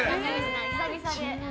久々で。